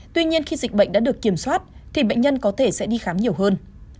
tuy nhiên khi dịch bệnh đã được kiểm soát thì bệnh nhân có thể sẽ đi khám nhiều hơn